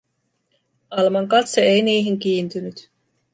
Alman katse ei niihin kiintynyt.